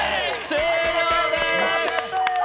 終了でーす！